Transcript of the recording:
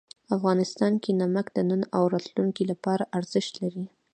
افغانستان کې نمک د نن او راتلونکي لپاره ارزښت لري.